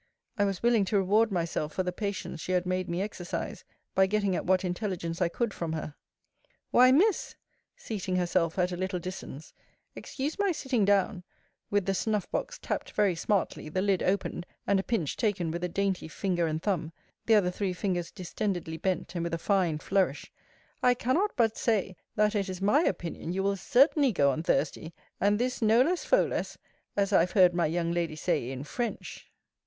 I was willing to reward myself for the patience she had made me exercise, by getting at what intelligence I could from her. Why, Miss, seating herself at a little distance (excuse my sitting down) with the snuff box tapped very smartly, the lid opened, and a pinch taken with a dainty finger and thumb, the other three fingers distendedly bent, and with a fine flourish I cannot but say, that it is my opinion, you will certainly go on Thursday; and this noless foless, as I have heard my young lady say in FRENCH.